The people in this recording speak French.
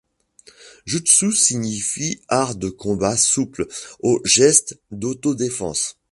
Jutsu signifie art de combat souple ou geste d'autodéfense.